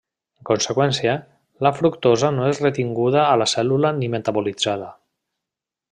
En conseqüència, la fructosa no és retinguda a la cèl·lula ni metabolitzada.